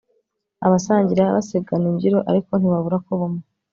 abasangira basigana imbyiro ariko ntibabura kuba umwe